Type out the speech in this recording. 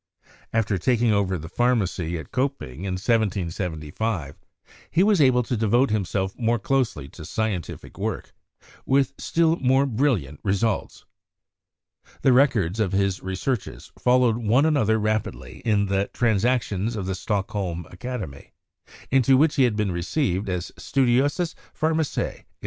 After taking over THE PHLOGISTIC PERIOD PROPER 121 the pharmacy at Koping in 1775, he was able to devote himself more closely to scientific work, and with still more brilliant results. The records of his researches followed one another rapidly in the 'Transactions of the Stockholm Academy, into which he had been received as "Studiosus Pharmacia?"